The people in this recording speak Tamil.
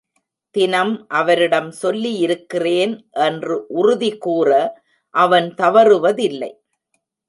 தினம் அவரிடம் சொல்லியிருக்கிறேன் என்று உறுதி கூற அவன் தவறுவதில்லை.